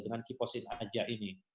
dengan keepozin aja ini